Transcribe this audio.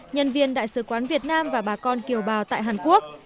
nhân viên đại sứ quán việt nam và bà con kiều bào tại hàn quốc